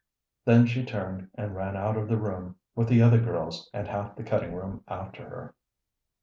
Then she turned and ran out of the room, with the other girls and half the cutting room after her.